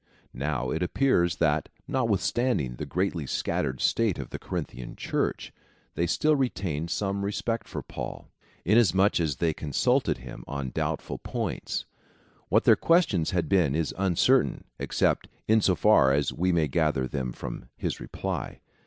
Now it appears, that, notwithstanding the greatly scattered state of the Corinthian Church, they still retained some respect for Paul, inasmuch as they consulted him on doubtful points. What their questions had been is uncer tain, except in so far as we may gather them from his reply.